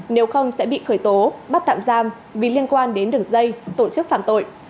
nếu không sẽ bị khởi tố bắt tạm giam vì liên quan đến đường dây tổ chức phạm tội